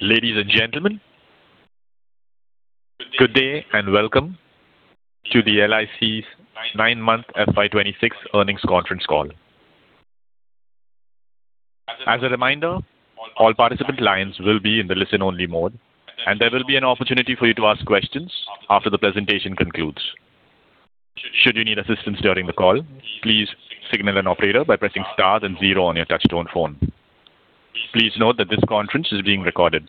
Ladies and gentlemen, good day and welcome to the LIC's Nine-Month FY2026 Earnings Conference Call. As a reminder, all participant lines will be in the listen-only mode, and there will be an opportunity for you to ask questions after the presentation concludes. Should you need assistance during the call, please signal an operator by pressing star and zero on your touch-tone phone. Please note that this conference is being recorded.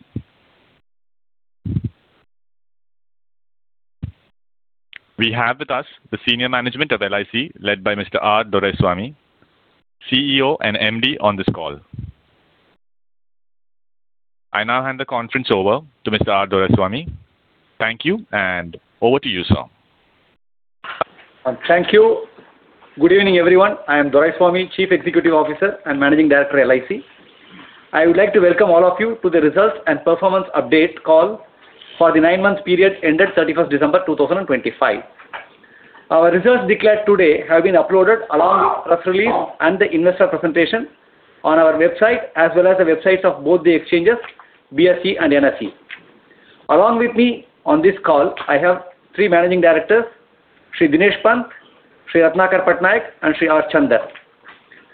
We have with us the senior management of LIC led by Mr. R. Doraiswamy, CEO and MD on this call. I now hand the conference over to Mr. R. Doraiswamy. Thank you, and over to you, sir. Thank you. Good evening, everyone. I am Doraiswamy, Chief Executive Officer and Managing Director of LIC. I would like to welcome all of you to the results and performance update call for the nine-month period ended 31st December 2025. Our results declared today have been uploaded along with press release and the investor presentation on our website as well as the websites of both the exchanges, BSE and NSE. Along with me on this call, I have three managing directors: Sri Dinesh Pant, Sri Ratnakar Patnaik, and Sri R. Chander.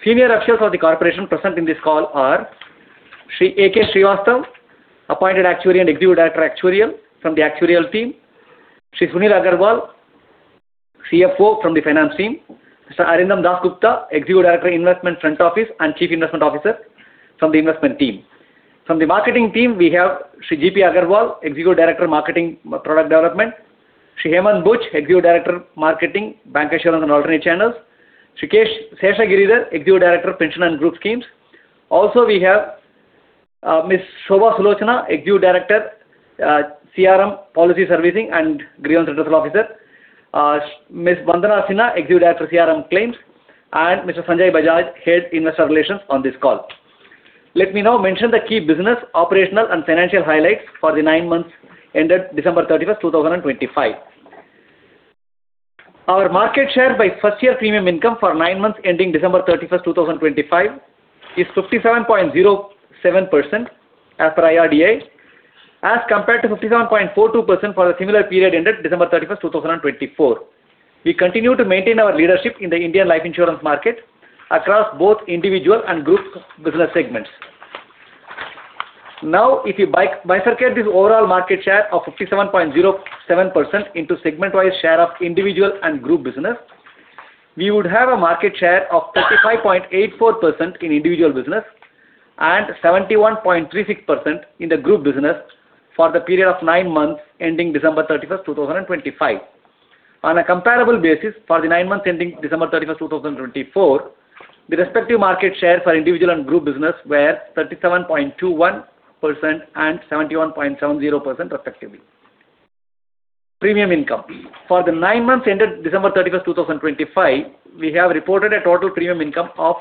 Senior officials of the corporation present in this call are: Sri A.K. Srivastava, appointed actuary and executive director actuarial from the actuarial team; Sri Sunil Agrawal, CFO from the finance team; Mr. Arindam Dasgupta, executive director investment front office and chief investment officer from the investment team. From the marketing team, we have Govind Agrawal, Executive Director, Marketing Product Development; Hemant Buch, Executive Director, Marketing, Bancassurance and Alternate Channels; K. Seshagiridhar, Executive Director, Pension and Group Schemes. Also, we have Shobha Sulochana, Executive Director, CRM Policy Servicing and Grievance Redressal Officer; Vandana Sinha, Executive Director, CRM Claims; and Sanjay Bajaj, Head of Investor Relations on this call. Let me now mention the key business, operational, and financial highlights for the nine-month period ended December 31, 2025. Our market share by first-year premium income for nine months ending December 31, 2025 is 57.07% as per IRDA, as compared to 57.42% for the similar period ended December 31, 2024. We continue to maintain our leadership in the Indian life insurance market across both individual and group business segments. Now, if you bifurcate this overall market share of 57.07% into segment-wise share of individual and group business, we would have a market share of 35.84% in individual business and 71.36% in the group business for the period of nine months ending December 31st, 2025. On a comparable basis, for the nine months ending December 31st, 2024, the respective market share for individual and group business were 37.21% and 71.70%, respectively. Premium income: For the nine months ended December 31st, 2025, we have reported a total premium income of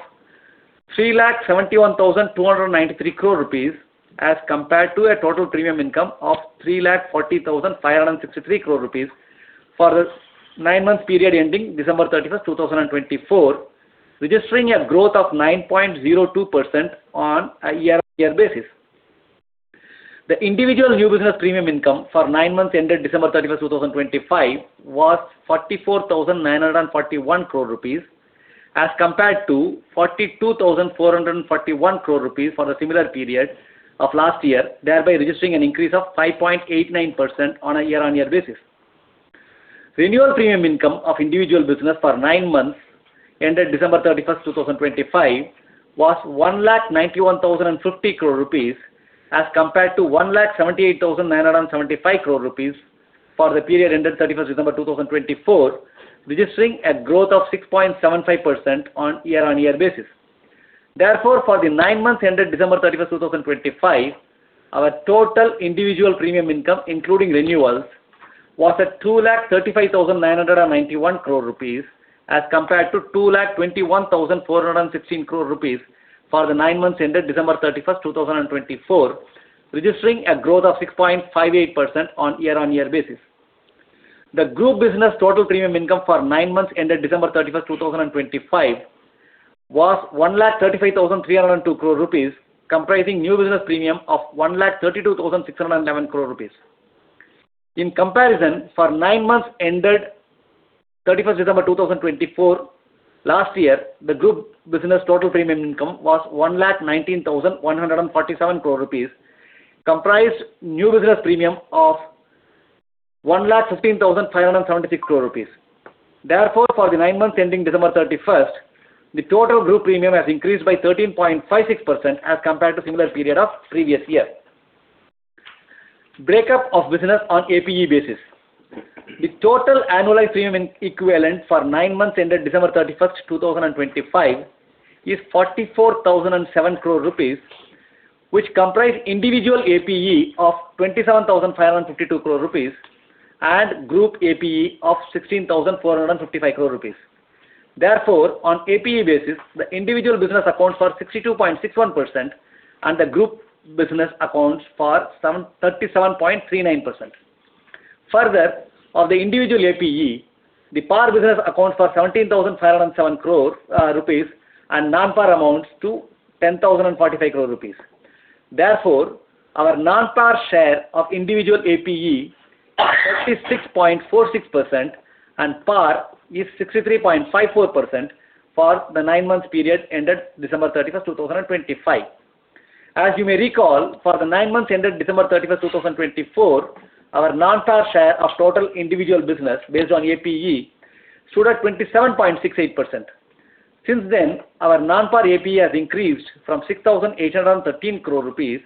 371,293 crore rupees as compared to a total premium income of 340,563 crore rupees for the nine months period ending December 31st, 2024, registering a growth of 9.02% on a year-on-year basis. The individual new business premium income for nine months ended December 31st, 2025 was 44,941 crore rupees as compared to 42,441 crore rupees for the similar period of last year, thereby registering an increase of 5.89% on a year-on-year basis. Renewal premium income of individual business for nine months ended December 31st, 2025 was 191,050 crore rupees as compared to 178,975 crore rupees for the period ended 31st December 2024, registering a growth of 6.75% on a year-on-year basis. Therefore, for the nine months ended December 31st, 2025, our total individual premium income, including renewals, was 235,991 crore rupees as compared to 221,416 crore rupees for the nine months ended December 31st, 2024, registering a growth of 6.58% on a year-on-year basis. The group business total premium income for nine months ended December 31st, 2025 was 135,302 crore rupees, comprising new business premium of 132,611 crore rupees. In comparison, for 9 months ended 31st December 2024, last year, the group business total premium income was 119,147 crore rupees, comprised new business premium of 115,576 crore rupees. Therefore, for the 9 months ending December 31st, the total group premium has increased by 13.56% as compared to the similar period of the previous year. Breakup of business on APE basis: The total annualized premium equivalent for nine months ended December 31st, 2025 is 44,007 crore rupees, which comprises individual APE of 27,552 crore rupees and group APE of 16,455 crore rupees. Therefore, on APE basis, the individual business accounts for 62.61% and the group business accounts for 37.39%. Further, of the individual APE, the par business accounts for 17,507 crore rupees and non-par amounts to 10,045 crore rupees. Therefore, our non-par share of individual APE is 36.46% and par is 63.54% for the nine months period ended December 31st, 2025. As you may recall, for the nine months ended December 31st, 2024, our non-par share of total individual business based on APE stood at 27.68%. Since then, our non-par APE has increased from 6,813 crore rupees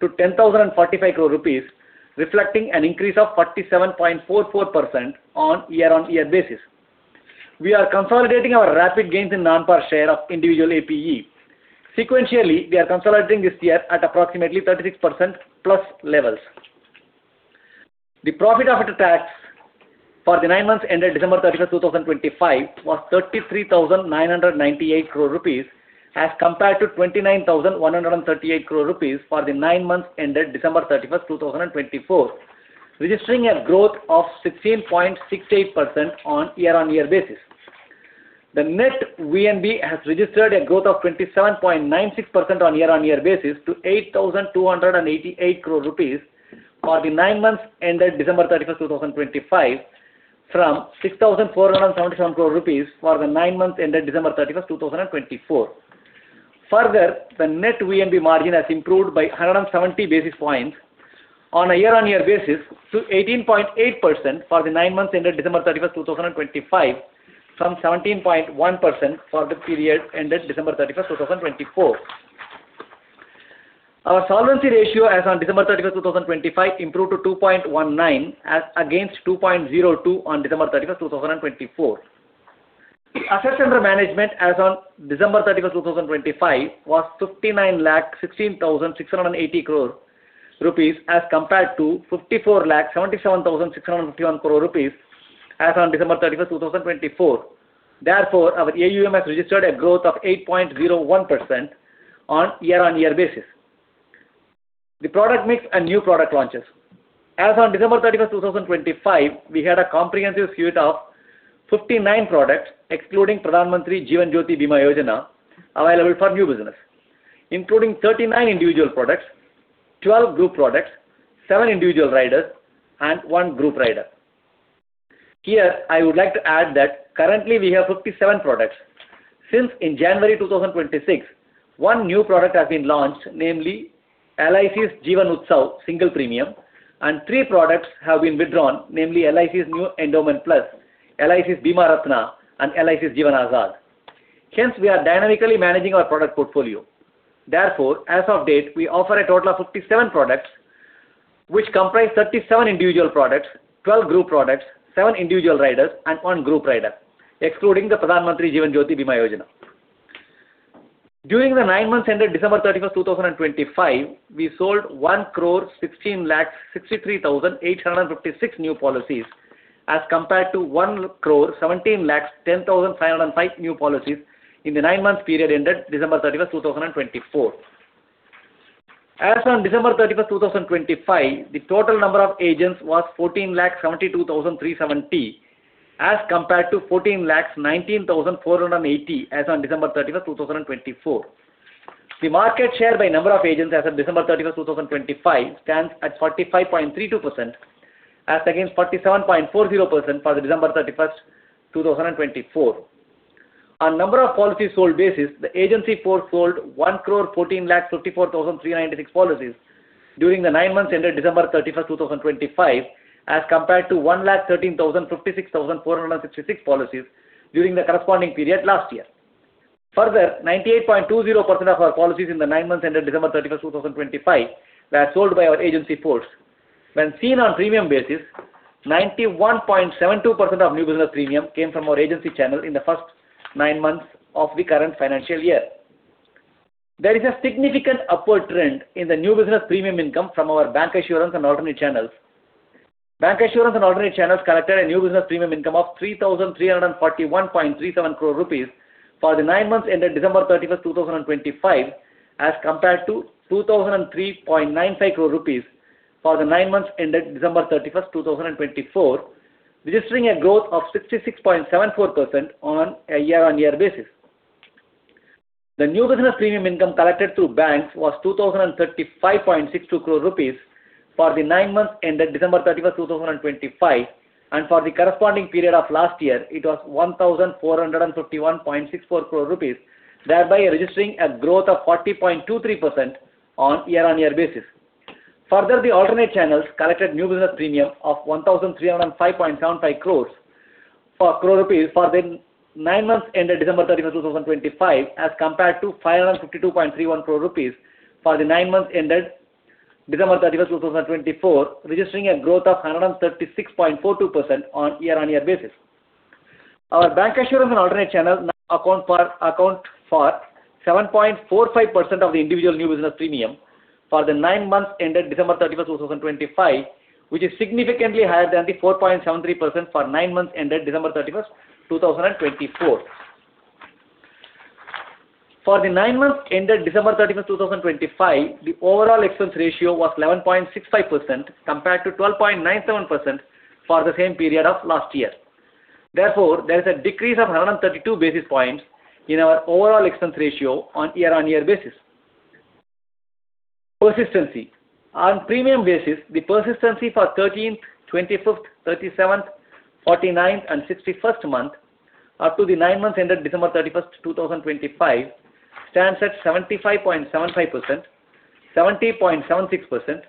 to 10,045 crore rupees, reflecting an increase of 47.44% on a year-on-year basis. We are consolidating our rapid gains in non-par share of individual APE. Sequentially, we are consolidating this year at approximately 36%-plus levels. The profit after tax for the nine months ended December 31st, 2025 was 33,998 crore rupees as compared to 29,138 crore rupees for the nine months ended December 31st, 2024, registering a growth of 16.68% on a year-on-year basis. The net VNB has registered a growth of 27.96% on a year-on-year basis to 8,288 crore rupees for the nine months ended December 31st, 2025, from 6,477 crore rupees for the nine months ended December 31st, 2024. Further, the net VNB margin has improved by 170 basis points on a year-on-year basis to 18.8% for the nine months ended December 31st, 2025, from 17.1% for the period ended December 31st, 2024. Our solvency ratio as on December 31st, 2025 improved to 2.19 against 2.02 on December 31st, 2024. The assets under management as on December 31st, 2025 was 5,916,680 crore rupees as compared to 5,477,651 crore rupees as on December 31st, 2024. Therefore, our AUM has registered a growth of 8.01% on a year-on-year basis. The product mix and new product launches: As on December 31st, 2025, we had a comprehensive suite of 59 products excluding Pradhan Mantri Jeevan Jyoti Bima Yojana available for new business, including 39 individual products, 12 group products, seven individual riders, and one group rider. Here, I would like to add that currently we have 57 products. Since January 2026, one new product has been launched, namely LIC's Jeevan Utsav single premium, and three products have been withdrawn, namely LIC's New Endowment Plus, LIC's Bima Ratna, and LIC's Jeevan Azad. Hence, we are dynamically managing our product portfolio. Therefore, as of date, we offer a total of 57 products, which comprise 37 individual products, 12 group products, seven individual riders, and one group rider, excluding the Pradhan Mantri Jeevan Jyoti Bima Yojana. During the nine months ended December 31st, 2025, we sold 11,663,856 new policies as compared to 11,710,505 new policies in the nine months period ended December 31st, 2024. As on December 31st, 2025, the total number of agents was 1,472,370 as compared to 1,419,480 as on December 31st, 2024. The market share by number of agents as of December 31st, 2025 stands at 45.32% against 47.40% for the December 31st, 2024. On number of policies sold basis, the agency force sold 11,454,396 policies during the nine months ended December 31st, 2025 as compared to 11,356,466 policies during the corresponding period last year. Further, 98.20% of our policies in the nine months ended December 31st, 2025 were sold by our agency force. When seen on premium basis, 91.72% of new business premium came from our agency channel in the first nine months of the current financial year. There is a significant upward trend in the new business premium income from our bancassurance and alternate channels. Bancassurance and alternate channels collected a new business premium income of 3,341.37 crore rupees for the nine months ended December 31st, 2025 as compared to 2,003.95 crore rupees for the nine months ended December 31st, 2024, registering a growth of 66.74% on a year-on-year basis. The new business premium income collected through banks was 2,035.62 crore rupees for the nine months ended December 31st, 2025, and for the corresponding period of last year, it was 1,451.64 crore rupees, thereby registering a growth of 40.23% on a year-on-year basis. Further, the alternate channels collected new business premium of 1,305.75 crore for the nine months ended December 31st, 2025 as compared to 552.31 crore rupees for the nine months ended December 31st, 2024, registering a growth of 136.42% on a year-on-year basis. Our bancassurance and alternate channels account for 7.45% of the individual new business premium for the nine months ended December 31st, 2025, which is significantly higher than the 4.73% for nine months ended December 31st, 2024. For the nine months ended December 31st, 2025, the overall expense ratio was 11.65% compared to 12.97% for the same period of last year. Therefore, there is a decrease of 132 basis points in our overall expense ratio on a year-on-year basis. Persistency: On premium basis, the persistency for 13th, 25th, 37th, 49th, and 61st month up to the nine months ended December 31st, 2025 stands at 75.75%, 70.76%,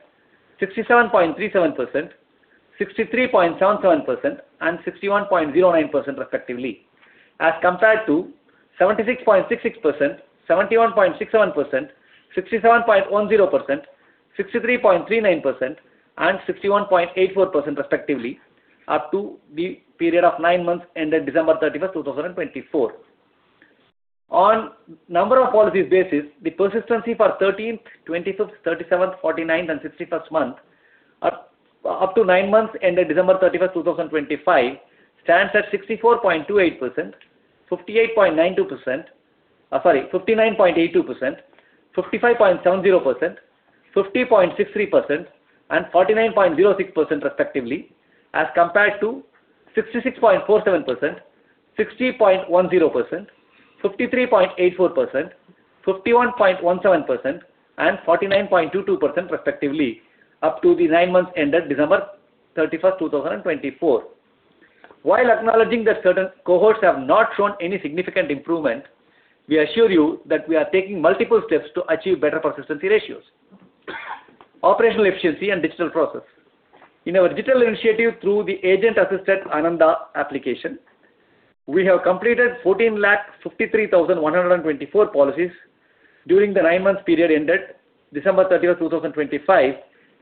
67.37%, 63.77%, and 61.09%, respectively, as compared to 76.66%, 71.67%, 67.10%, 63.39%, and 61.84%, respectively, up to the period of nine months ended December 31st, 2024. On number of policies basis, the persistency for 13th, 25th, 37th, 49th, and 61st month up to nine months ended December 31st, 2025 stands at 64.28%, 58.92%, sorry, 59.82%, 55.70%, 50.63%, and 49.06%, respectively, as compared to 66.47%, 60.10%, 53.84%, 51.17%, and 49.22%, respectively, up to the nine months ended December 31st, 2024. While acknowledging that certain cohorts have not shown any significant improvement, we assure you that we are taking multiple steps to achieve better persistency ratios. Operational efficiency and digital process: In our digital initiative through the Agent-Assisted ANANDA application, we have completed 1,453,124 policies during the nine months period ended December 31st, 2025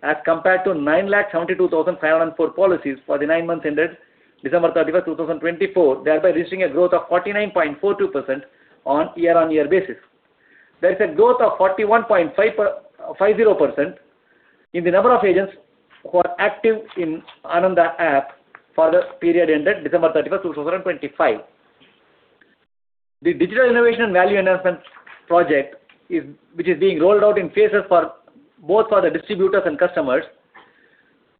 as compared to 972,504 policies for the nine months ended December 31st, 2024, thereby registering a growth of 49.42% on a year-on-year basis. There is a growth of 41.50% in the number of agents who are active in the ANANDA app for the period ended December 31st, 2025. The Digital Innovation and Value Enhancement project, which is being rolled out in phases both for the distributors and customers,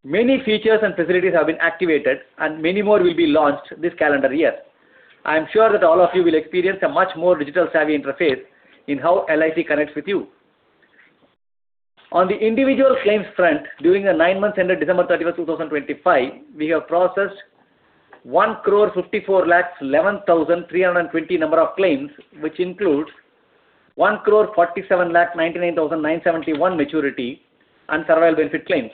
many features and facilities have been activated, and many more will be launched this calendar year. I am sure that all of you will experience a much more digital-savvy interface in how LIC connects with you. On the individual claims front, during the nine months ended December 31st, 2025, we have processed 15,411,320 number of claims, which includes 14,799,971 maturity and survival benefit claims.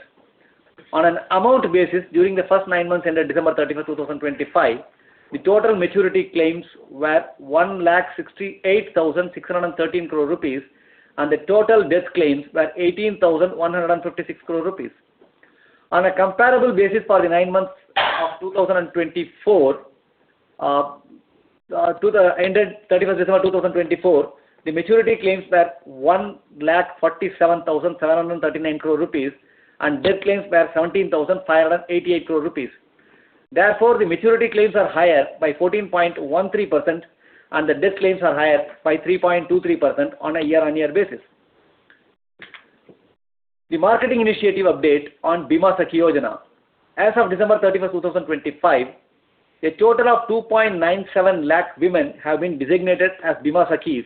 On an amount basis, during the first nine months ended December 31st, 2025, the total maturity claims were 168,613 crore rupees, and the total death claims were 18,156 crore rupees. On a comparable basis for the nine months ended 31st December 2024, the maturity claims were 147,739 crore rupees, and death claims were 17,588 crore rupees. Therefore, the maturity claims are higher by 14.13%, and the death claims are higher by 3.23% on a year-on-year basis. The marketing initiative update on Bima Sakhi Yojana: As of December 31st, 2025, a total of 2.97 lakh women have been designated as Bima Sakhis,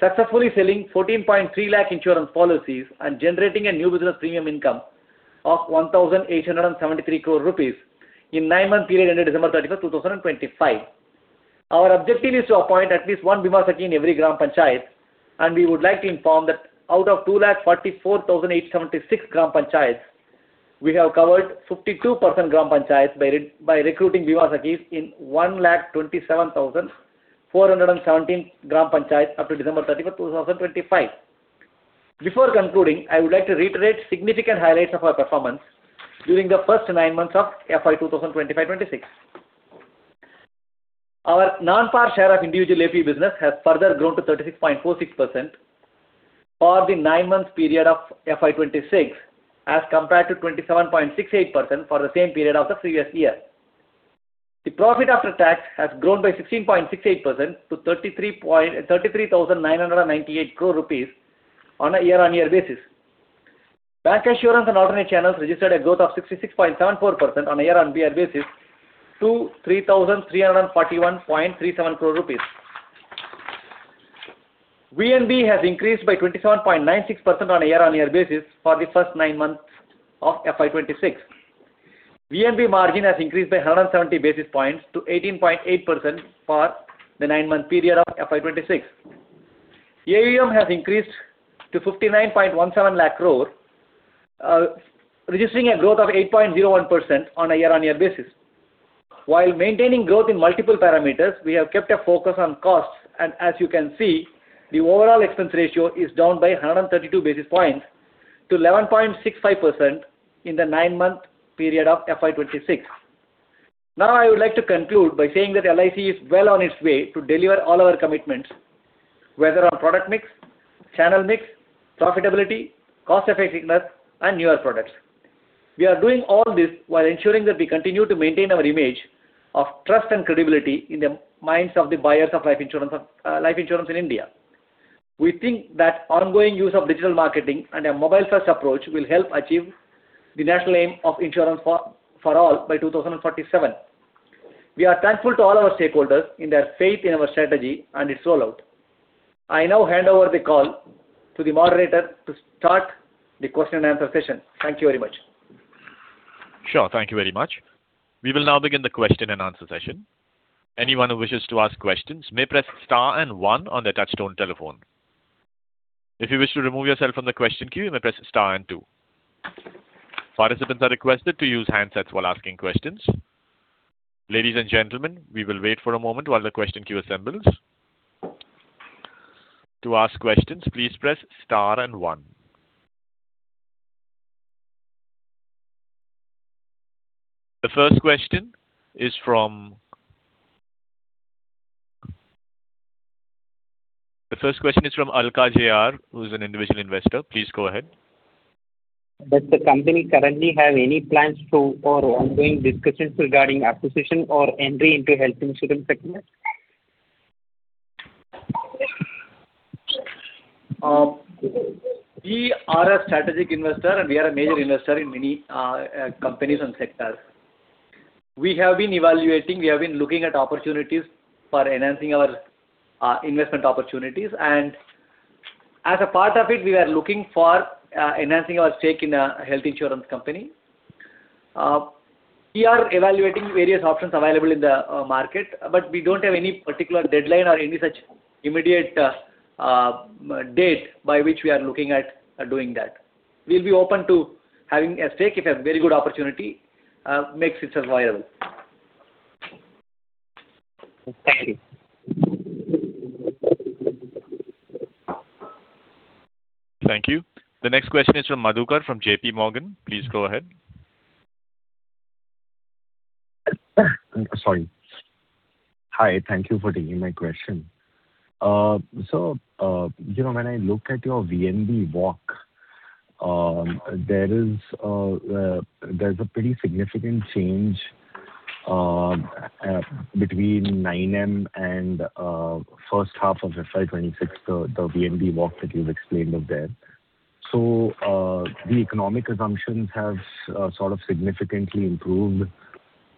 successfully selling 14.3 lakh insurance policies and generating a new business premium income of 1,873 crore rupees in the nine-month period ended December 31st, 2025. Our objective is to appoint at least one Bima Sakhi in every Gram Panchayat, and we would like to inform that out of 244,876 Gram Panchayats, we have covered 52% Gram Panchayats by recruiting Bima Sakhis in 127,417 Gram Panchayats up to December 31st, 2025. Before concluding, I would like to reiterate significant highlights of our performance during the first nine months of FY 2025-2026. Our non-par share of individual AP business has further grown to 36.46% for the nine-month period of FY 2026 as compared to 27.68% for the same period of the previous year. The profit after tax has grown by 16.68% to 33,998 crore rupees on a year-on-year basis. Bancassurance and alternate channels registered a growth of 66.74% on a year-on-year basis to 3,341.37 crore rupees. VNB has increased by 27.96% on a year-on-year basis for the first nine months of FY 2026. VNB margin has increased by 170 basis points to 18.8% for the nine-month period of FY 2026. AUM has increased to 59.17 lakh crore, registering a growth of 8.01% on a year-on-year basis. While maintaining growth in multiple parameters, we have kept a focus on costs, and as you can see, the overall expense ratio is down by 132 basis points to 11.65% in the nine-month period of FY 2026. Now, I would like to conclude by saying that LIC is well on its way to deliver all our commitments, whether on product mix, channel mix, profitability, cost-effectiveness, and newer products. We are doing all this while ensuring that we continue to maintain our image of trust and credibility in the minds of the buyers of life insurance in India. We think that ongoing use of digital marketing and a mobile-first approach will help achieve the national aim of insurance for all by 2047. We are thankful to all our stakeholders in their faith in our strategy and its rollout. I now hand over the call to the moderator to start the question-and-answer session. Thank you very much. Sure. Thank you very much. We will now begin the question-and-answer session. Anyone who wishes to ask questions may press star and one on their touch-tone telephone. If you wish to remove yourself from the question queue, you may press star and two. Participants are requested to use handsets while asking questions. Ladies and gentlemen, we will wait for a moment while the question queue assembles. To ask questions, please press star and one. The first question is from Alka J.R., who is an individual investor. Please go ahead. Does the company currently have any plans for or ongoing discussions regarding acquisition or entry into health insurance sectors? We are a strategic investor, and we are a major investor in many companies and sectors. We have been evaluating. We have been looking at opportunities for enhancing our investment opportunities. As a part of it, we are looking for enhancing our stake in a health insurance company. We are evaluating various options available in the market, but we don't have any particular deadline or any such immediate date by which we are looking at doing that. We'll be open to having a stake if a very good opportunity makes itself available. Thank you. Thank you. The next question is from Madhukar from J.P. Morgan. Please go ahead. Sorry. Hi. Thank you for taking my question. So when I look at your VNB walk, there is a pretty significant change between nine month and first half of FY 2026, the VNB walk that you've explained of there. So the economic assumptions have sort of significantly improved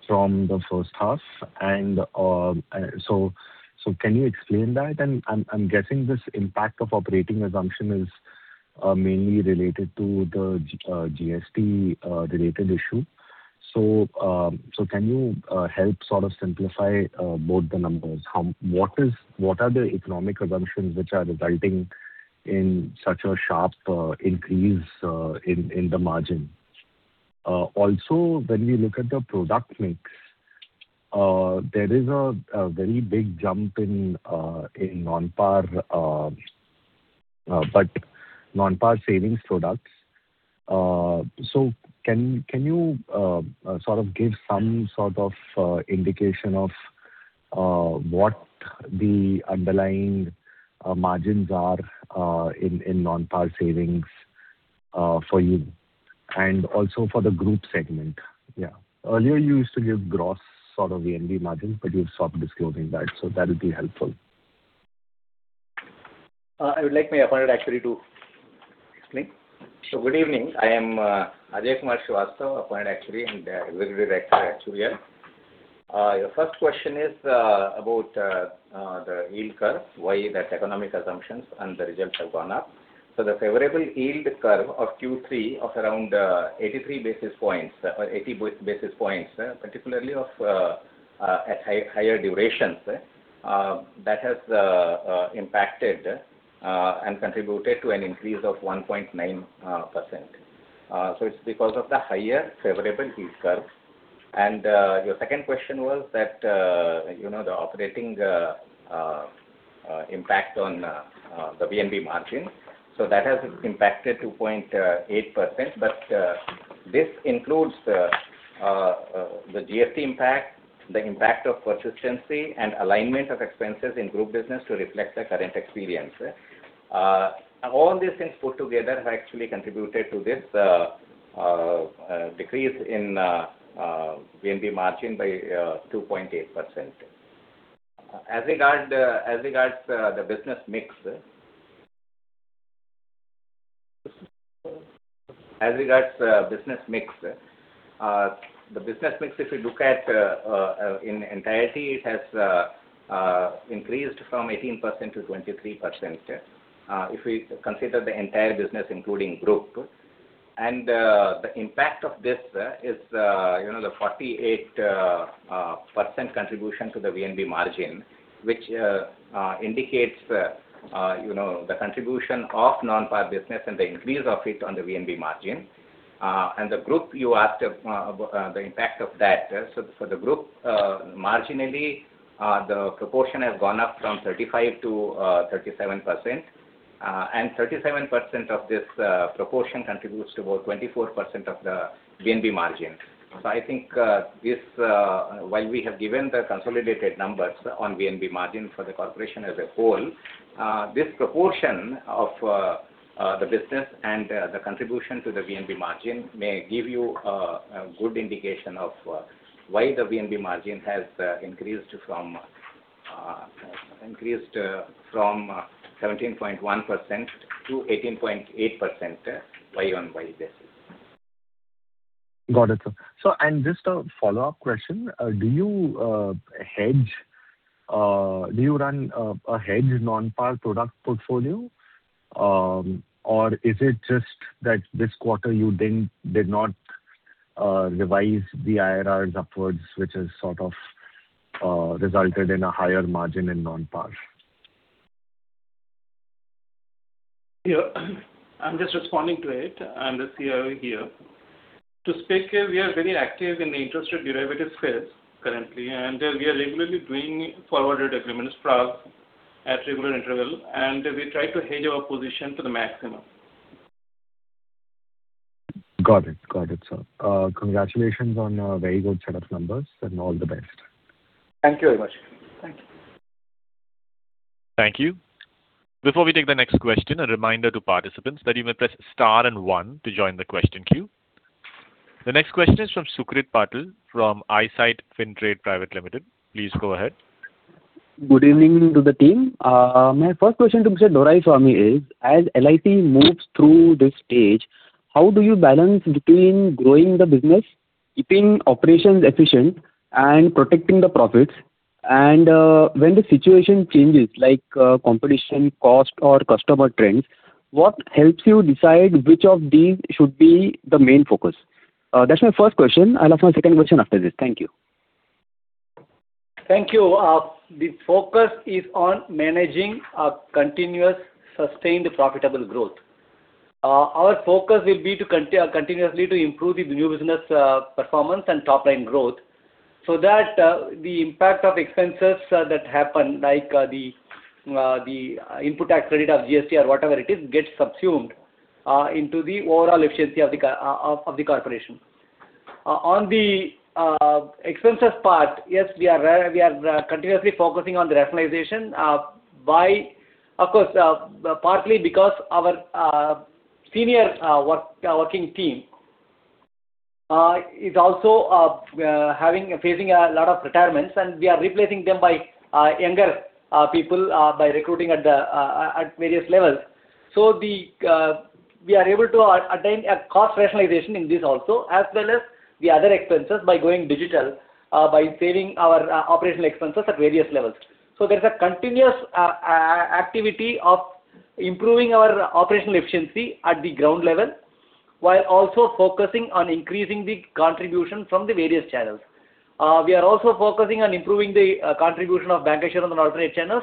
from the first half. And so can you explain that? And I'm guessing this impact of operating assumption is mainly related to the GST-related issue. So can you help sort of simplify both the numbers? What are the economic assumptions which are resulting in such a sharp increase in the margin? Also, when we look at the product mix, there is a very big jump in non-par savings products. So can you sort of give some sort of indication of what the underlying margins are in non-par savings for you and also for the group segment? Yeah. Earlier, you used to give gross sort of VNB margins, but you've stopped disclosing that. So that would be helpful. I would like my appointed actuary to explain. So good evening. I am Ajay Kumar Srivastava, appointed actuary and executive director at LIC. Your first question is about the yield curve, why that economic assumptions and the results have gone up. So the favorable yield curve of Q3 of around 83 basis points or 80 basis points, particularly at higher durations, that has impacted and contributed to an increase of 1.9%. So it's because of the higher favorable yield curve. And your second question was the operating impact on the VNB margin. So that has impacted 2.8%. But this includes the GST impact, the impact of persistency, and alignment of expenses in group business to reflect the current experience. All these things put together have actually contributed to this decrease in VNB margin by 2.8%. As regards the business mix, as regards business mix, the business mix, if you look at in entirety, it has increased from 18%-23% if we consider the entire business including group. And the impact of this is the 48% contribution to the VNB margin, which indicates the contribution of non-par business and the increase of it on the VNB margin. And the group, you asked about the impact of that. So for the group, marginally, the proportion has gone up from 35%-37%. And 37% of this proportion contributes to about 24% of the VNB margin. So I think while we have given the consolidated numbers on VNB margin for the corporation as a whole, this proportion of the business and the contribution to the VNB margin may give you a good indication of why the VNB margin has increased from 17.1% to 18.8% year-on-year basis. Got it, sir. And just a follow-up question. Do you hedge, do you run a hedged non-par product portfolio, or is it just that this quarter you did not revise the IRRs upwards, which has sort of resulted in a higher margin in non-par? Yeah. I'm just responding to it. I'm the CIO here. To speak here, we are very active in the interest rate derivative sphere currently, and we are regularly doing forward agreements at regular intervals. And we try to hedge our position to the maximum. Got it. Got it, sir. Congratulations on a very good set of numbers, and all the best. Thank you very much. Thank you. Thank you. Before we take the next question, a reminder to participants that you may press star and one to join the question queue. The next question is from Sucrit Patil from Eyesight Fintrade Pvt Ltd. Please go ahead. Good evening to the team. My first question to Mr. Doraiswamy is, as LIC moves through this stage, how do you balance between growing the business, keeping operations efficient, and protecting the profits? And when the situation changes, like competition, cost, or customer trends, what helps you decide which of these should be the main focus? That's my first question. I'll ask my second question after this. Thank you. Thank you. The focus is on managing continuous, sustained, profitable growth. Our focus will be continuously to improve the new business performance and top-line growth so that the impact of expenses that happen, like the input tax credit of GST or whatever it is, gets subsumed into the overall efficiency of the corporation. On the expenses part, yes, we are continuously focusing on the rationalization. Of course, partly because our senior working team is also facing a lot of retirements, and we are replacing them by younger people by recruiting at various levels. So we are able to attain a cost rationalization in this also, as well as the other expenses by going digital, by saving our operational expenses at various levels. So there's a continuous activity of improving our operational efficiency at the ground level while also focusing on increasing the contribution from the various channels. We are also focusing on improving the contribution of bancassurance and alternate channels,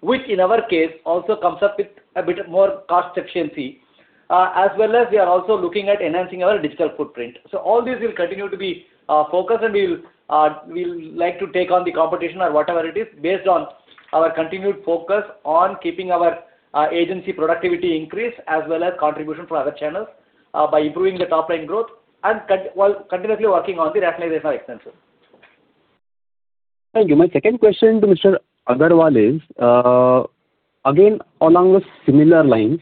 which in our case also comes up with a bit more cost efficiency, as well as we are also looking at enhancing our digital footprint. So all these will continue to be focused, and we'll like to take on the competition or whatever it is based on our continued focus on keeping our agency productivity increased as well as contribution from other channels by improving the top-line growth while continuously working on the rationalization of expenses. Thank you. My second question to Mr. Agarwal is, again, along the similar lines,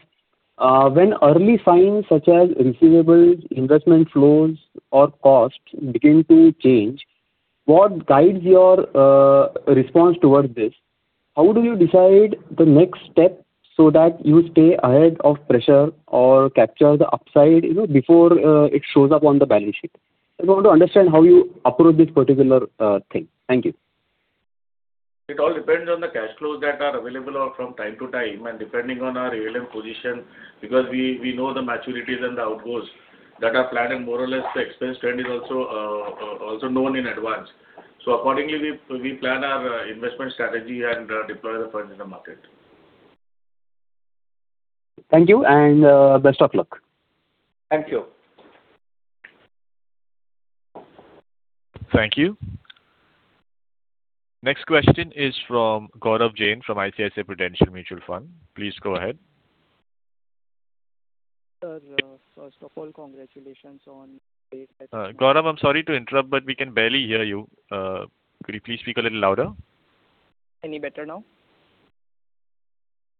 when early signs such as receivable investment flows or costs begin to change, what guides your response towards this? How do you decide the next step so that you stay ahead of pressure or capture the upside before it shows up on the balance sheet? I want to understand how you approach this particular thing. Thank you. It all depends on the cash flows that are available from time to time and depending on our ALM position because we know the maturities and the outgoes that are planned. More or less, the expense trend is also known in advance. Accordingly, we plan our investment strategy and deploy the funds in the market. Thank you, and best of luck. Thank you. Thank you. Next question is from Gaurav Jain from ICICI Prudential Mutual Fund. Please go ahead. Sir, first of all, congratulations on the great set of numbers. Gaurav, I'm sorry to interrupt, but we can barely hear you. Could you please speak a little louder? Any better now?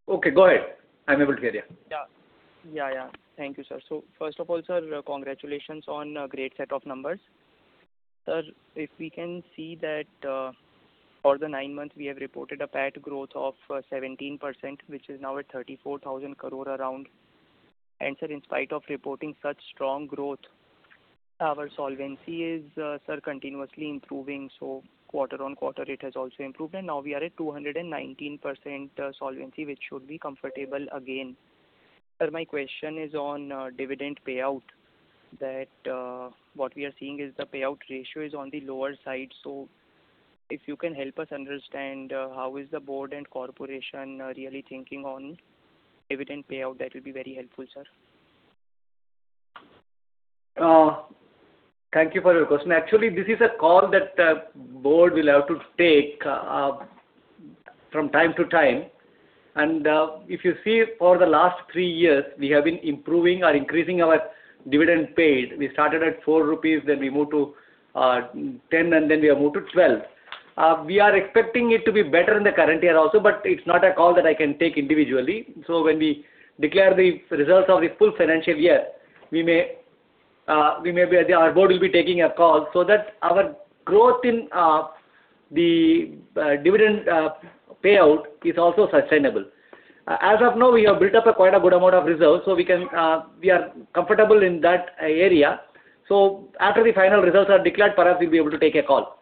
Okay. Go ahead. I'm able to hear you. Yeah. Yeah. Yeah. Thank you, sir. So first of all, sir, congratulations on a great set of numbers. Sir, if we can see that for the nine months, we have reported a PAT growth of 17%, which is now at 34,000 crore around. And sir, in spite of reporting such strong growth, our solvency is, sir, continuously improving. So quarter-on-quarter, it has also improved. And now we are at 219% solvency, which should be comfortable again. Sir, my question is on dividend payout. What we are seeing is the payout ratio is on the lower side. So if you can help us understand how is the board and corporation really thinking on dividend payout, that will be very helpful, sir. Thank you for your question. Actually, this is a call that the board will have to take from time to time. If you see, for the last three years, we have been improving or increasing our dividend paid. We started at 4 rupees, then we moved to 10, and then we have moved to 12. We are expecting it to be better in the current year also, but it's not a call that I can take individually. When we declare the results of the full financial year, we may be our board will be taking a call so that our growth in the dividend payout is also sustainable. As of now, we have built up quite a good amount of reserves, so we are comfortable in that area. After the final results are declared, perhaps we'll be able to take a call.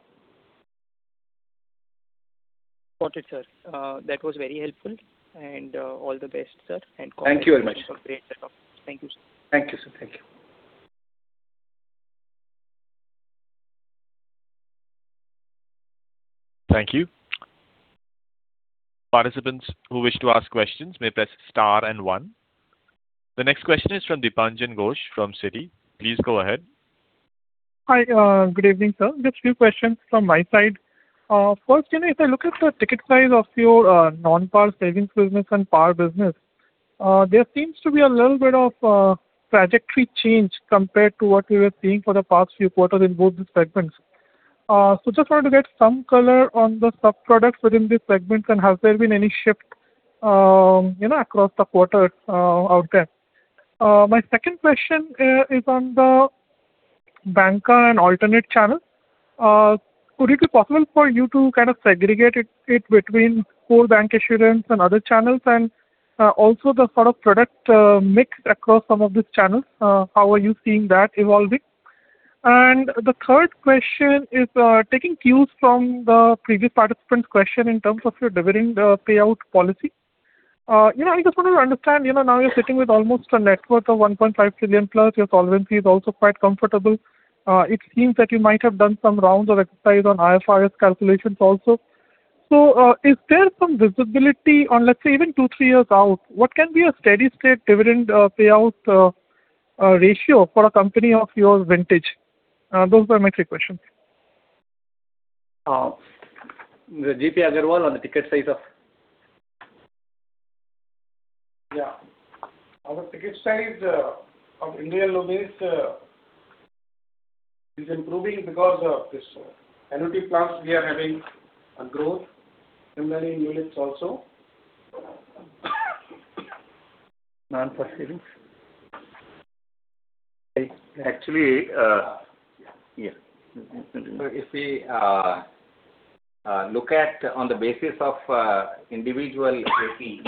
Got it, sir. That was very helpful. All the best, sir. Congratulations on a great set of numbers. Thank you, sir. Thank you, sir. Thank you. Thank you. Participants who wish to ask questions may press star and one. The next question is from Dipanjan Ghosh from Citi. Please go ahead. Hi. Good evening, sir. Just a few questions from my side. First, if I look at the ticket size of your non-par savings business and par business, there seems to be a little bit of trajectory change compared to what we were seeing for the past few quarters in both the segments. Just wanted to get some color on the subproducts within these segments and has there been any shift across the quarter out there? My second question is on the banca and alternate channels. Could it be possible for you to kind of segregate it between core bancassurance and other channels and also the sort of product mix across some of these channels? How are you seeing that evolving? The third question is taking cues from the previous participant's question in terms of your dividend payout policy. I just wanted to understand. Now you're sitting with almost a net worth of 1.5 trillion+. Your solvency is also quite comfortable. It seems that you might have done some rounds of exercise on IFRS calculations also. So is there some visibility on, let's say, even two, three years out? What can be a steady state dividend payout ratio for a company of your vintage? Those are my three questions. Govind Agarwal on the ticket size of? Yeah. Our ticket size of individual non-pars is improving because of this annuity plans. We are having a growth similarly in ULIPs also. Non-par savings? Actually, yeah. So if we look at on the basis of individual APE,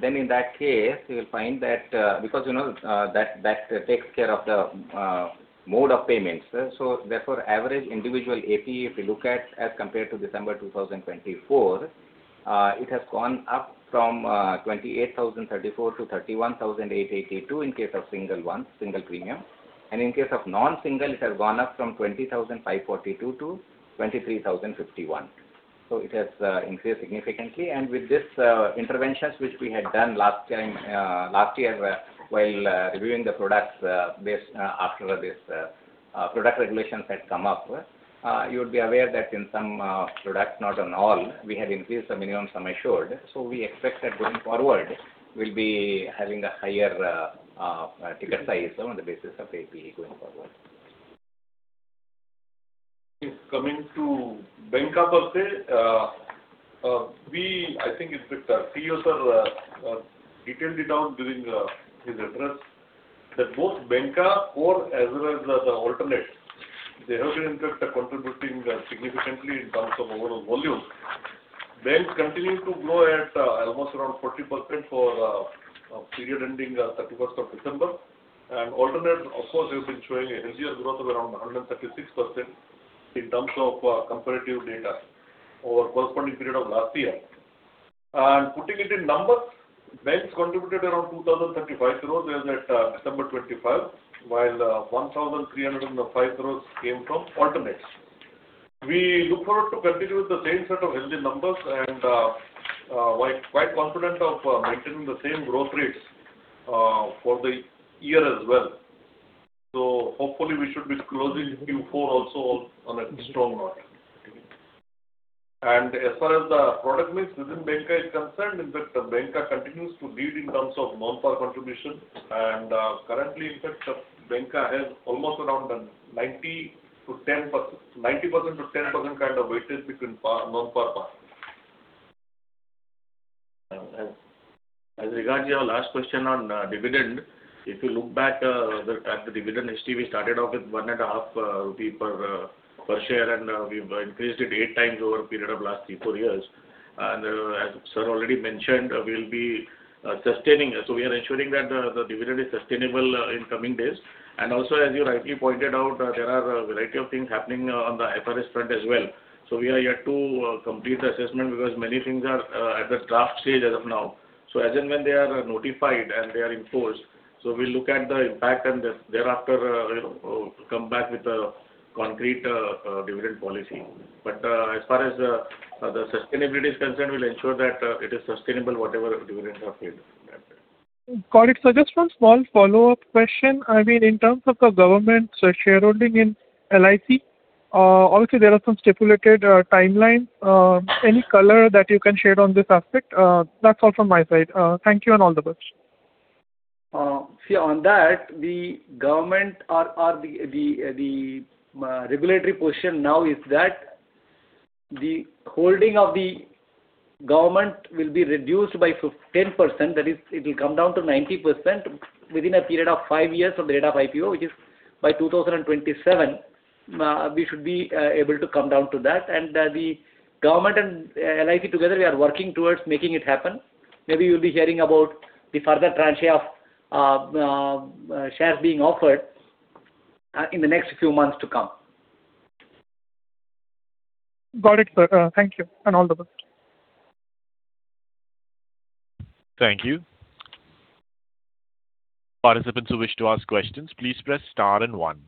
then in that case, you will find that because that takes care of the mode of payments. So therefore, average individual APE, if you look at as compared to December 2024, it has gone up from 28,034-31,882 in case of single premium. And in case of non-single, it has gone up from 20,542-23,051. So it has increased significantly. And with these interventions, which we had done last year while reviewing the products after these product regulations had come up, you would be aware that in some products, not on all, we had increased the minimum sum assured. So we expect that going forward, we'll be having a higher ticket size on the basis of APE going forward. Coming to bancassurance part, I think CEO, sir, detailed it out during his address that both banca as well as the alternate, they have, in fact, contributed significantly in terms of overall volume. Banks continue to grow at almost around 40% for a period ending 31st of December. Alternates, of course, have been showing a healthier growth of around 136% in terms of comparative data over the corresponding period of last year. Putting it in numbers, banks contributed around 2,035 crore as at December 25, while 1,305 crore came from alternates. We look forward to continuing with the same set of healthy numbers and quite confident of maintaining the same growth rates for the year as well. So hopefully, we should be closing Q4 also on a strong note. As far as the product mix within banca is concerned, in fact, banca continues to lead in terms of non-par contribution. And currently, in fact, banca has almost around 90%-10% kind of weighted between non-par and par. As regards to your last question on dividend, if you look back at the dividend history, we started off with 1.5 rupee per share, and we've increased it eight times over a period of last three, four years. As sir already mentioned, we'll be sustaining. So we are ensuring that the dividend is sustainable in coming days. Also, as you rightly pointed out, there are a variety of things happening on the IFRS front as well. So we are yet to complete the assessment because many things are at the draft stage as of now. So as in when they are notified and they are enforced, so we'll look at the impact and thereafter come back with a concrete dividend policy. But as far as the sustainability is concerned, we'll ensure that it is sustainable whatever dividends are paid. Got it. So just one small follow-up question. I mean, in terms of the government shareholding in LIC, obviously, there are some stipulated timelines. Any color that you can share on this aspect? That's all from my side. Thank you and all the best. See, on that, the government or the regulatory position now is that the holding of the government will be reduced by 10%. That is, it will come down to 90% within a period of five years from the date of IPO, which is by 2027. We should be able to come down to that. The government and LIC together, we are working towards making it happen. Maybe you'll be hearing about the further tranche of shares being offered in the next few months to come. Got it, sir. Thank you and all the best. Thank you. Participants who wish to ask questions, please press star and one.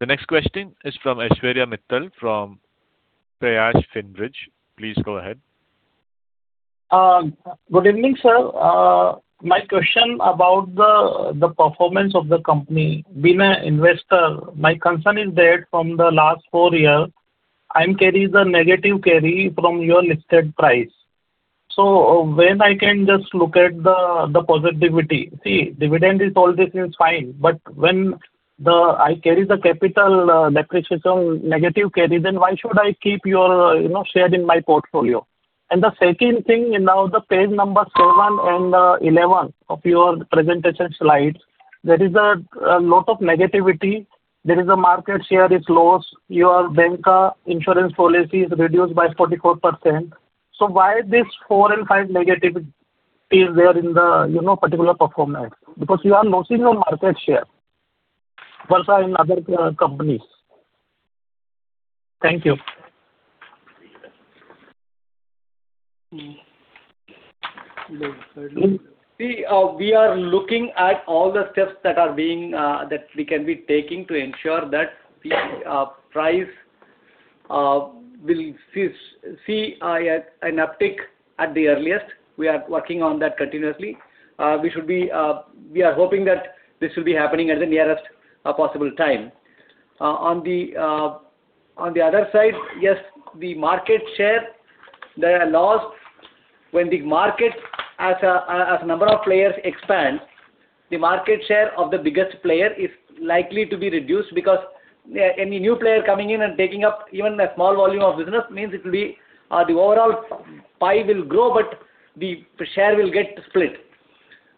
The next question is from Aishwarya Mittal from Payash Finbridge. Please go ahead. Good evening, sir. My question about the performance of the company. Being an investor, my concern is that from the last four years, I'm carrying the negative carry from your listed price. So when I can just look at the positivity see, dividend is all this is fine. But when I carry the capital depreciation negative carry, then why should I keep your share in my portfolio? The second thing, now the page number seven and 11 of your presentation slides, there is a lot of negativity. There is a market share is low. Your bancassurance policy is reduced by 44%. So why are these four and five negativities there in the particular performance? Because you are losing your market share versus in other companies. Thank you. See, we are looking at all the steps that we can be taking to ensure that price will see an uptick at the earliest. We are working on that continuously. We are hoping that this will be happening at the nearest possible time. On the other side, yes, the market share that are lost when the market as a number of players expands, the market share of the biggest player is likely to be reduced because any new player coming in and taking up even a small volume of business means it will be the overall pie will grow, but the share will get split.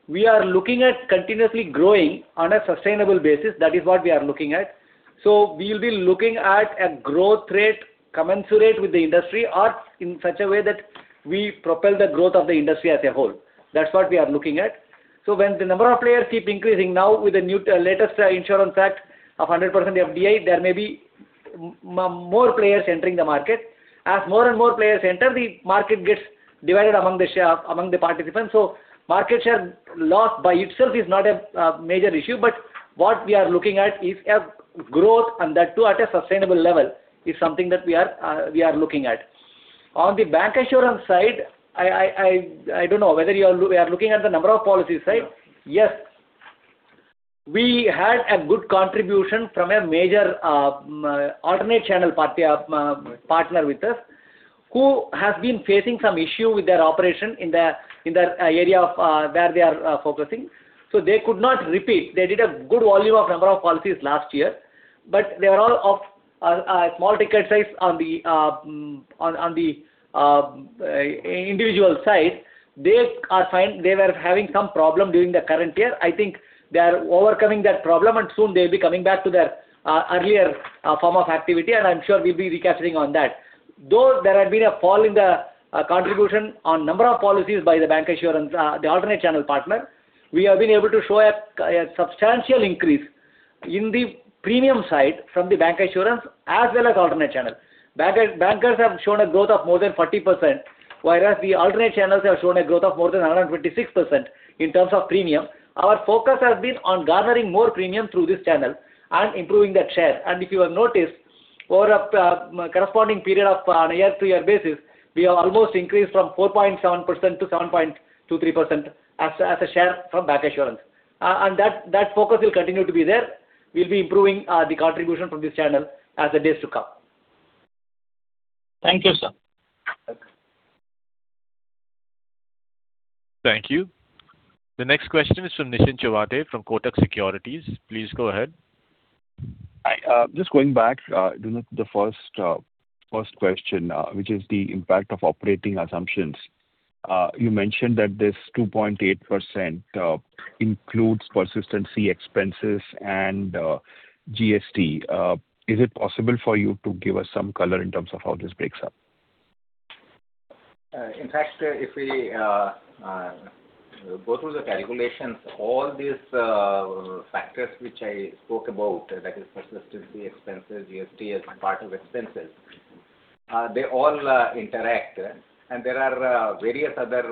We are looking at continuously growing on a sustainable basis. That is what we are looking at. So we'll be looking at a growth rate commensurate with the industry or in such a way that we propel the growth of the industry as a whole. That's what we are looking at. So when the number of players keep increasing now with the latest Insurance Act of 100% FDI, there may be more players entering the market. As more and more players enter, the market gets divided among the participants. So market share loss by itself is not a major issue. But what we are looking at is a growth, and that too at a sustainable level is something that we are looking at. On the bancassurance side, I don't know whether you are looking at the number of policies, right? Yes. We had a good contribution from a major alternate channel partner with us who has been facing some issue with their operation in the area where they are focusing. So they could not repeat. They did a good volume of number of policies last year, but they were all of small ticket size on the individual side. They were having some problem during the current year. I think they are overcoming that problem, and soon they'll be coming back to their earlier form of activity. I'm sure we'll be recapturing on that. Though there had been a fall in the contribution on number of policies by the bancassurance, the alternate channel partner, we have been able to show a substantial increase in the premium side from the bancassurance as well as alternate channel. Bankers have shown a growth of more than 40%, whereas the alternate channels have shown a growth of more than 126% in terms of premium. Our focus has been on garnering more premium through this channel and improving that share. If you have noticed, over a corresponding period of a year-to-year basis, we have almost increased from 4.7%-7.23% as a share from bancassurance. That focus will continue to be there. We'll be improving the contribution from this channel as the days to come. Thank you, sir. Thank you. The next question is from Nischint Chawathe from Kotak Securities. Please go ahead. Hi. Just going back to the first question, which is the impact of operating assumptions. You mentioned that this 2.8% includes persistency expenses and GST. Is it possible for you to give us some color in terms of how this breaks up? In fact, if we go through the calculations, all these factors which I spoke about, that is persistency expenses, GST as part of expenses, they all interact. And there are various other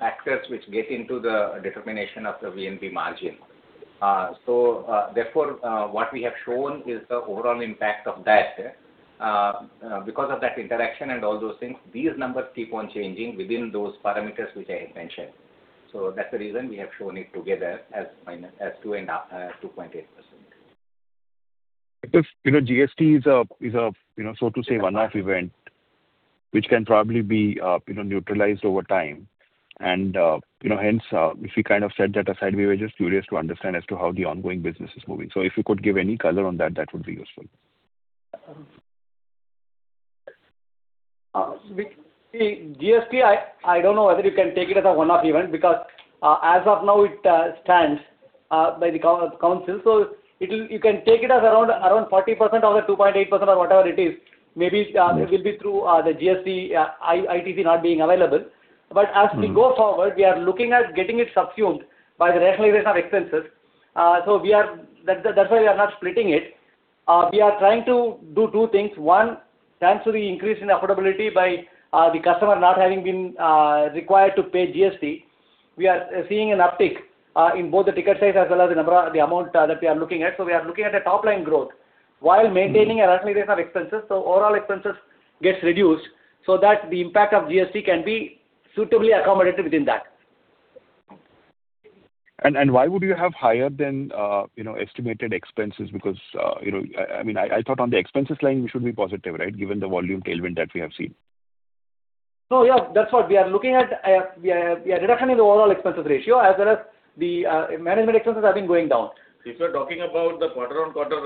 factors which get into the determination of the VNB margin. So therefore, what we have shown is the overall impact of that. Because of that interaction and all those things, these numbers keep on changing within those parameters which I had mentioned. So that's the reason we have shown it together as 2.8%. GST is a, so to say, one-off event which can probably be neutralized over time. And hence, if we kind of set that aside, we were just curious to understand as to how the ongoing business is moving. So if you could give any color on that, that would be useful. GST, I don't know whether you can take it as a one-off event because as of now, it stands by the council. So you can take it as around 40% of the 2.8% or whatever it is. Maybe it will be through the GST ITC not being available. But as we go forward, we are looking at getting it subsumed by the rationalization of expenses. So that's why we are not splitting it. We are trying to do two things. One, thanks to the increase in affordability by the customer not having been required to pay GST, we are seeing an uptick in both the ticket size as well as the amount that we are looking at. So we are looking at a top-line growth while maintaining a rationalization of expenses. So overall expenses get reduced so that the impact of GST can be suitably accommodated within that. And why would you have higher than estimated expenses? Because I mean, I thought on the expenses line, we should be positive, right, given the volume tailwind that we have seen. Oh, yeah. That's what we are looking at. We are reduction in the overall expenses ratio as well as the management expenses have been going down. If you're talking about the quarter-over-quarter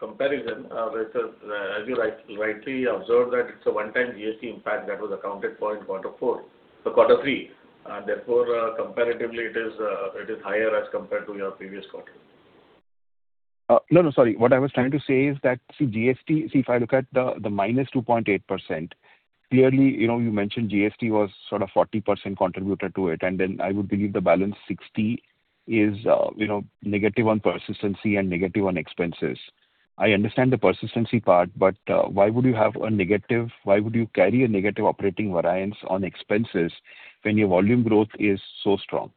comparison, as you rightly observed, that it's a one-time GST impact that was accounted for in quarter three. And therefore, comparatively, it is higher as compared to your previous quarter. No, no. Sorry. What I was trying to say is that, see, if I look at the -2.8%, clearly, you mentioned GST was sort of 40% contributed to it. And then I would believe the balance 60% is negative on persistency and negative on expenses. I understand the persistency part, but why would you have a negative why would you carry a negative operating variance on expenses when your volume growth is so strong?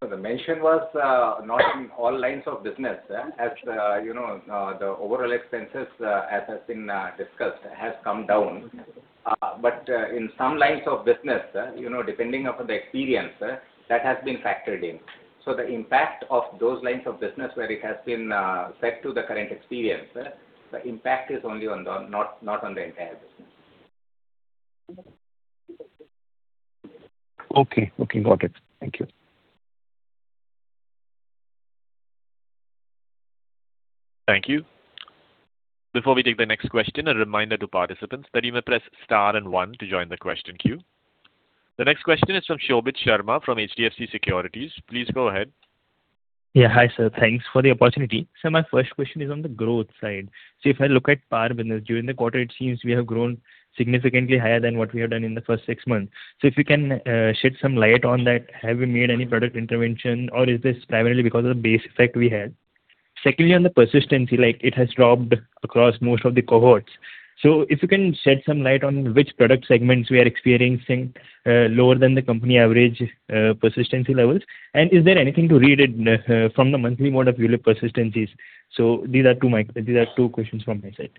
The mention was not in all lines of business. As the overall expenses, as has been discussed, has come down. But in some lines of business, depending on the experience, that has been factored in. So the impact of those lines of business where it has been set to the current experience, the impact is only on that, not on the entire business. Okay. Okay. Got it. Thank you. Thank you. Before we take the next question, a reminder to participants that you may press star and one to join the question queue. The next question is from Shobhit Sharma from HDFC Securities. Please go ahead. Yeah. Hi, sir. Thanks for the opportunity. So my first question is on the growth side. So if I look at par business during the quarter, it seems we have grown significantly higher than what we have done in the first six months. So if you can shed some light on that, have we made any product intervention, or is this primarily because of the base effect we had? Secondly, on the persistency, it has dropped across most of the cohorts. So if you can shed some light on which product segments we are experiencing lower than the company average persistency levels, and is there anything to read from the monthly mode of persistency's? So these are two questions from my side.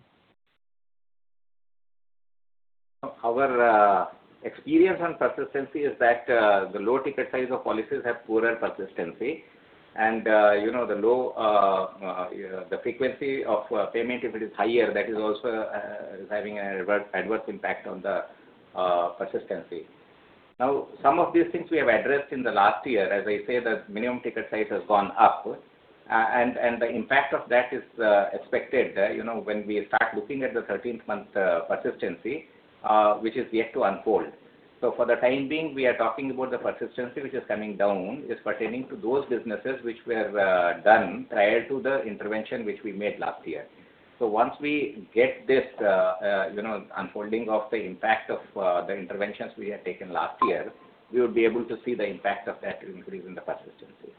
Our experience on persistency is that the low ticket size of policies have poorer persistency. And the frequency of payment, if it is higher, that is also having an adverse impact on the persistency. Now, some of these things we have addressed in the last year. As I say, the minimum ticket size has gone up. And the impact of that is expected when we start looking at the 13th month persistency, which is yet to unfold. So for the time being, we are talking about the persistency, which is coming down, is pertaining to those businesses which were done prior to the intervention which we made last year. So once we get this unfolding of the impact of the interventions we have taken last year, we would be able to see the impact of that increase in the persistency.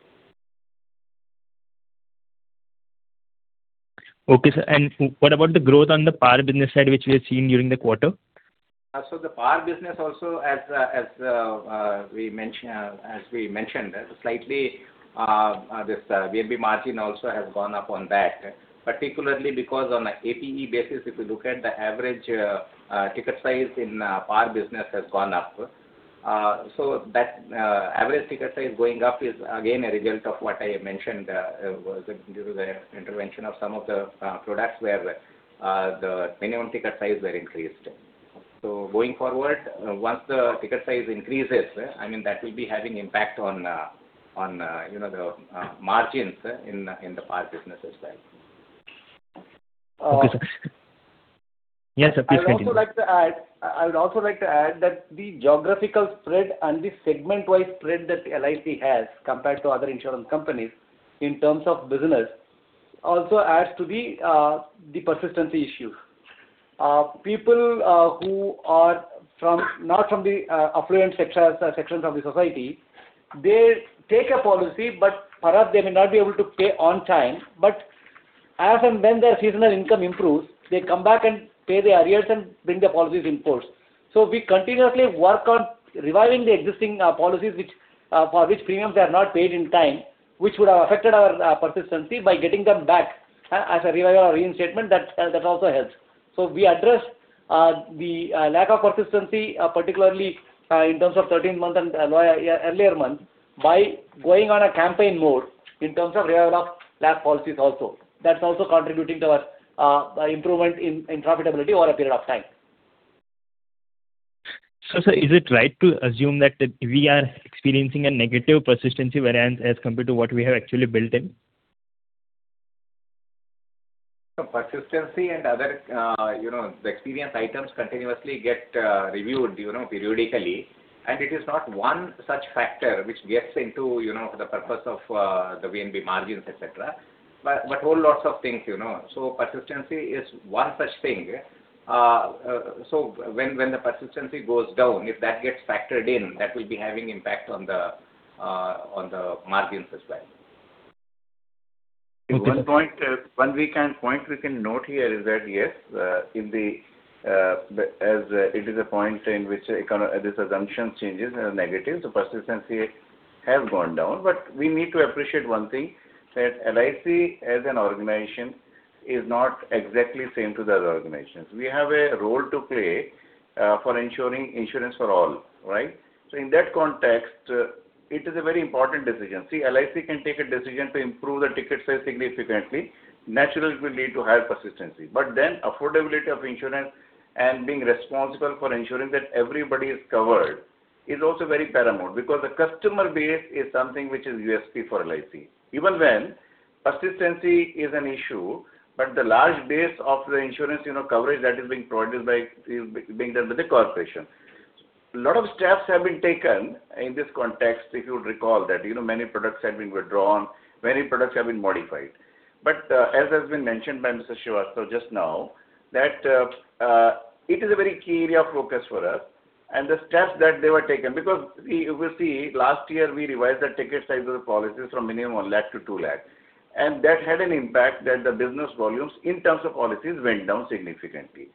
Okay, sir. And what about the growth on the par business side, which we have seen during the quarter? So the par business also, as we mentioned, slightly this VNB margin also has gone up on that, particularly because on an APE basis, if you look at the average ticket size in par business has gone up. So that average ticket size going up is, again, a result of what I mentioned was due to the intervention of some of the products where the minimum ticket size were increased. So going forward, once the ticket size increases, I mean, that will be having impact on the margins in the par business as well. Okay, sir. Yes, sir. Please continue. I would also like to add that the geographical spread and the segment-wise spread that LIC has compared to other insurance companies in terms of business also adds to the persistency issue. People who are not from the affluent sections of the society, they take a policy, but perhaps they may not be able to pay on time. But as and when their seasonal income improves, they come back and pay their arrears and bring the policies in force. So we continuously work on reviving the existing policies for which premiums are not paid in time, which would have affected our persistency by getting them back as a revival or reinstatement. That also helps. So we address the lack of persistency, particularly in terms of 13th month and earlier months, by going on a campaign mode in terms of revival of lapsed policies also. That's also contributing to our improvement in profitability over a period of time. Sir, is it right to assume that we are experiencing a negative persistency variance as compared to what we have actually built in? Persistency and other experience items continuously get reviewed periodically. It is not one such factor which gets into the purpose of the VNB margins, etc., but whole lots of things. Persistency is one such thing. When the persistency goes down, if that gets factored in, that will be having impact on the margins as well. One weak point we can note here is that, yes, as it is a point in which this assumption changes negative, the persistency has gone down. We need to appreciate one thing that LIC, as an organization, is not exactly the same to the other organizations. We have a role to play for ensuring insurance for all, right? So in that context, it is a very important decision. See, LIC can take a decision to improve the ticket size significantly. Naturally, it will lead to higher persistency. But then affordability of insurance and being responsible for ensuring that everybody is covered is also very paramount because the customer base is something which is USP for LIC. Even when persistency is an issue, but the large base of the insurance coverage that is being provided by being done with the corporation. A lot of steps have been taken in this context, if you would recall that. Many products have been withdrawn. Many products have been modified. But as has been mentioned by Mr. Srivastava just now, that it is a very key area of focus for us. The steps that they were taken because you will see, last year, we revised the ticket size of the policies from minimum 1 lakh to 2 lakh. And that had an impact that the business volumes in terms of policies went down significantly.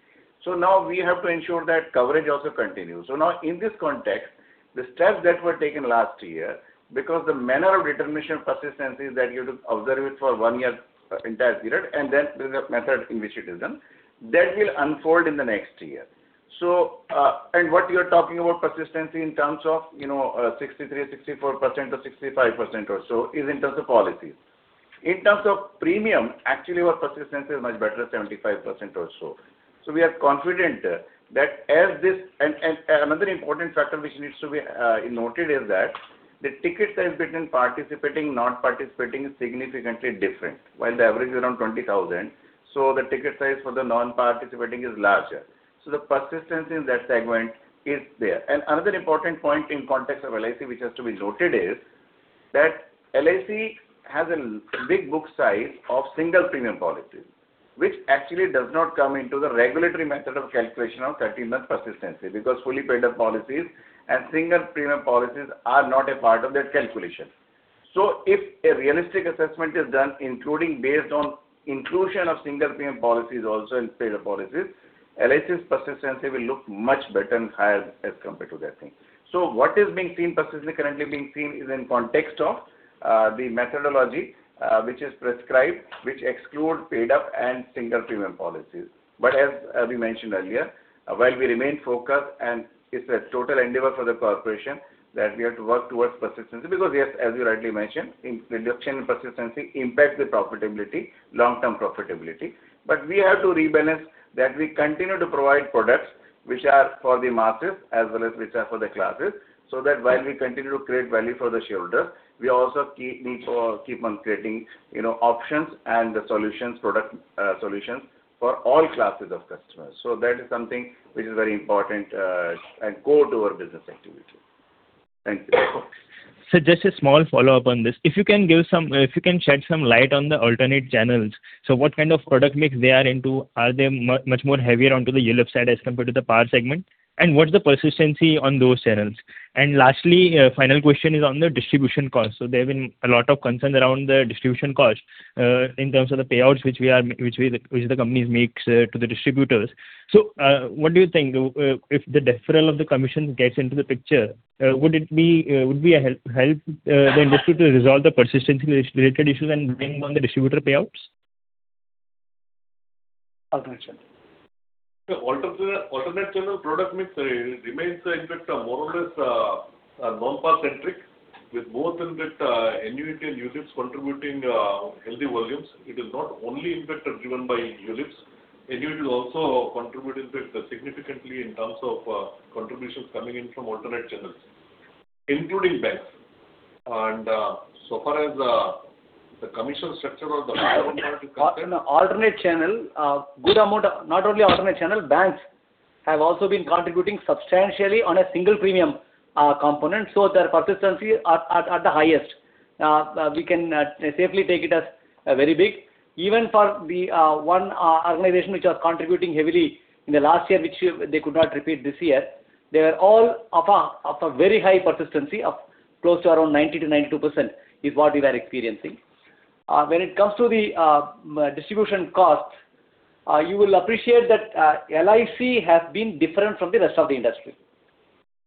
So now we have to ensure that coverage also continues. So now in this context, the steps that were taken last year because the manner of determination of persistency is that you have to observe it for one year entire period, and then the method in which it is done, that will unfold in the next year. And what you are talking about persistency in terms of 63%-65% or so is in terms of policies. In terms of premium, actually, our persistency is much better, 75% or so. We are confident that as this and another important factor which needs to be noted is that the ticket size between participating and not participating is significantly different, while the average is around 20,000. The ticket size for the non-participating is larger. The persistency in that segment is there. Another important point in context of LIC which has to be noted is that LIC has a big book size of single premium policies, which actually does not come into the regulatory method of calculation of 13th month persistency because fully paid-up policies and single premium policies are not a part of that calculation. If a realistic assessment is done, including based on inclusion of single premium policies also in paid-up policies, LIC's persistency will look much better and higher as compared to that thing. So what is being seen persistently, currently being seen, is in context of the methodology which is prescribed, which excludes paid-up and single premium policies. But as we mentioned earlier, while we remain focused and it's a total endeavor for the corporation that we have to work towards persistency because, yes, as you rightly mentioned, reduction in persistency impacts the profitability, long-term profitability. But we have to rebalance that we continue to provide products which are for the masses as well as which are for the classes so that while we continue to create value for the shareholders, we also need to keep on creating options and the solutions, product solutions, for all classes of customers. So that is something which is very important and core to our business activity. Thank you. Sir, just a small follow-up on this. If you can shed some light on the alternate channels. So what kind of product mix they are into? Are they much more heavier onto the non-par side as compared to the par segment? And what's the persistency on those channels? And lastly, final question is on the distribution cost. So there have been a lot of concerns around the distribution cost in terms of the payouts which the companies make to the distributors. So what do you think? If the deferral of the commissions gets into the picture, would it be a help the industry to resolve the persistency-related issues and bring on the distributor payouts? Alternate channel. Sir, alternate channel product mix remains, in fact, more or less non-par-centric with both, in fact, NUET and ULIPs contributing healthy volumes. It is not only, in fact, driven by ULIPs. NUET will also contribute, in fact, significantly in terms of contributions coming in from alternate channels, including banks. So far as the commission structure or the payout part is concerned? On the alternate channel, good amount not only alternate channel, banks have also been contributing substantially on a single premium component. So their persistency at the highest, we can safely take it as very big. Even for the one organization which was contributing heavily in the last year, which they could not repeat this year, they were all of a very high persistency of close to around 90%-92% is what we were experiencing. When it comes to the distribution costs, you will appreciate that LIC has been different from the rest of the industry.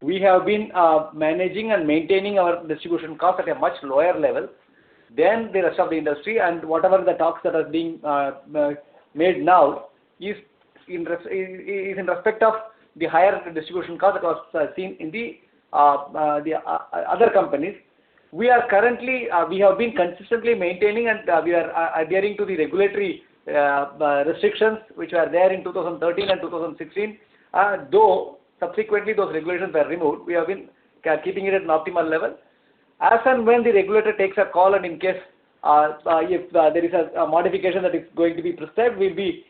We have been managing and maintaining our distribution costs at a much lower level than the rest of the industry. Whatever the talks that are being made now is in respect of the higher distribution cost that was seen in the other companies. We have been consistently maintaining, and we are adhering to the regulatory restrictions which were there in 2013 and 2016. Though subsequently, those regulations were removed, we have been keeping it at an optimal level. As and when the regulator takes a call, and in case there is a modification that is going to be prescribed, we will be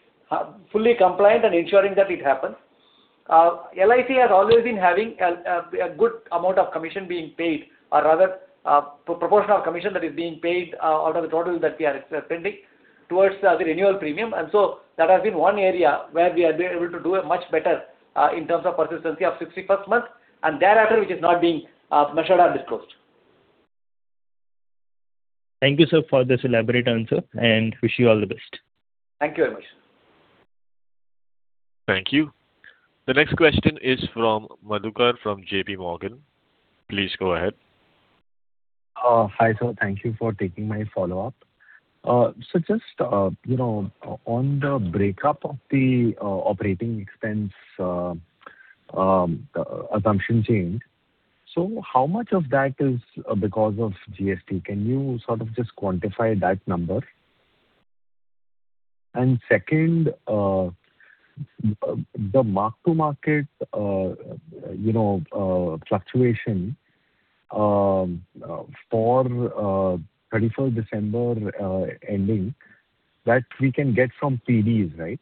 fully compliant and ensuring that it happens. LIC has always been having a good amount of commission being paid, or rather, proportion of commission that is being paid out of the total that we are spending towards the renewal premium. That has been one area where we have been able to do much better in terms of persistency of 61st month and thereafter, which is not being measured or disclosed. Thank you, sir, for this elaborate answer. And wish you all the best. Thank you very much. Thank you. The next question is from Madhukar from JP Morgan. Please go ahead. Hi, sir. Thank you for taking my follow-up. So just on the break-up of the operating expense assumption changed, so how much of that is because of GST? Can you sort of just quantify that number? And second, the mark-to-market fluctuation for 31st December ending, that we can get from PDs, right?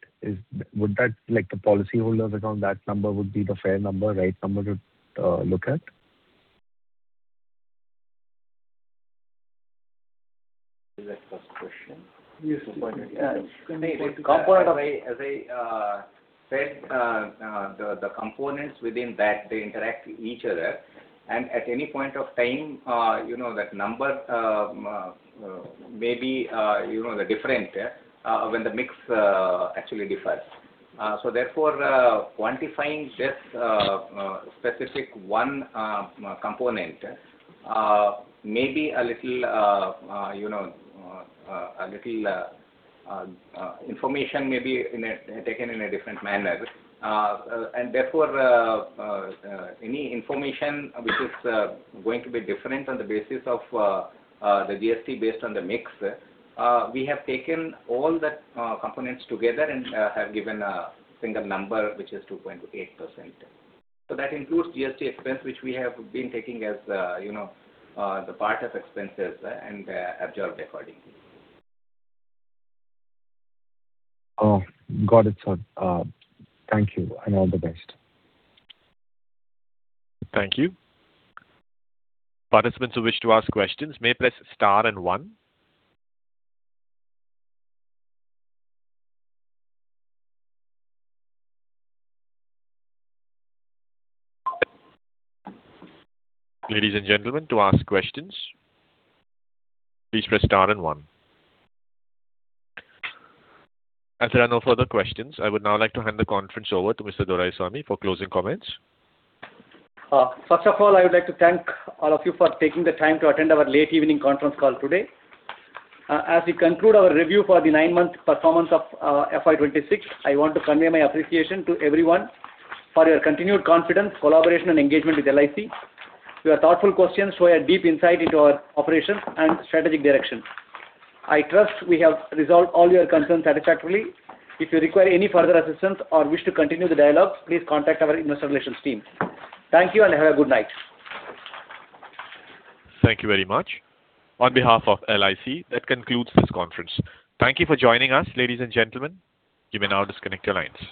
Would the policyholders' account that number would be the fair number, right number to look at? Is that the first question? Yes. As I said, the components within that, they interact with each other. At any point of time, that number may be different when the mix actually differs. So therefore, quantifying this specific one component may be a little information may be taken in a different manner. And therefore, any information which is going to be different on the basis of the GST based on the mix, we have taken all the components together and have given a single number which is 2.8%. So that includes GST expense, which we have been taking as the part of expenses and absorbed accordingly. Got it, sir. Thank you. All the best. Thank you. Participants who wish to ask questions may press star and one. Ladies and gentlemen, to ask questions, please press star and one. As there are no further questions, I would now like to hand the conference over to Mr. Doraiswamy for closing comments. First of all, I would like to thank all of you for taking the time to attend our late evening conference call today. As we conclude our review for the nine-months performance of FY2026, I want to convey my appreciation to everyone for your continued confidence, collaboration, and engagement with LIC. Your thoughtful questions show a deep insight into our operations and strategic direction. I trust we have resolved all your concerns satisfactorily. If you require any further assistance or wish to continue the dialogue, please contact our investor relations team. Thank you, and have a good night. Thank you very much. On behalf of LIC, that concludes this conference. Thank you for joining us, ladies and gentlemen. You may now disconnect your lines.